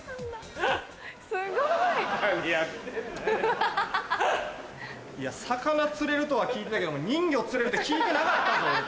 いや魚釣れるとは聞いてたけども人魚釣れるって聞いてなかったぞ。